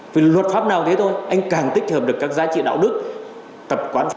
vì luật pháp nào thế thôi anh càng tích hợp được các giá trị đạo đức tập quán